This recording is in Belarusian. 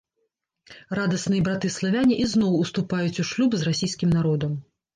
Радасныя браты-славяне ізноў уступаюць у шлюб з расійскім народам.